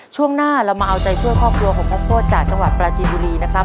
ช่วงหน้าเรามาเอาใจช่วยครอบครัวของพ่อโคตรจากจังหวัดปราจีนบุรีนะครับ